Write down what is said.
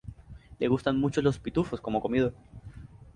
Le gustan muchos los pitufos como comida.